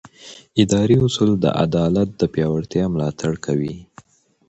اداري اصول د عدالت د پیاوړتیا ملاتړ کوي.